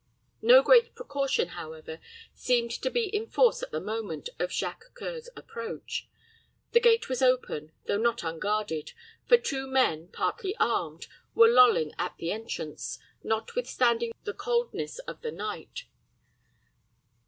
No great precaution, however, seemed to be in force at the moment of Jacques C[oe]ur's approach. The gate was open, though not unguarded; for two men, partly armed, were lolling at the entrance, notwithstanding the coldness of the night.